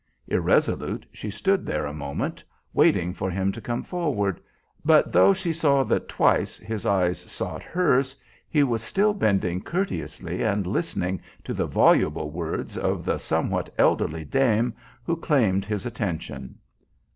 Irresolute she stood there a moment, waiting for him to come forward; but though she saw that twice his eyes sought hers, he was still bending courteously and listening to the voluble words of the somewhat elderly dame who claimed his attention.